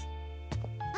あ！